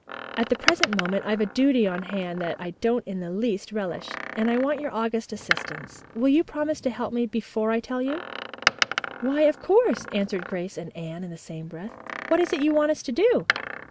At the present moment I've a duty on hand that I don't in the least relish, and I want your august assistance. Will you promise to help before I tell you?" "Why, of course," answered Grace and Anne in the same breath. "What is it you want us to do?"